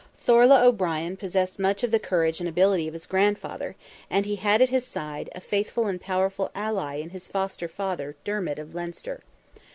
Thorlogh O'Brien possessed much of the courage and ability of his grandfather, and he had at his side, a faithful and powerful ally in his foster father, Dermid, of Leinster.